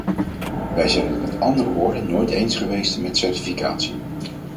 Wij zijn het met andere woorden nooit eens geweest met certificatie.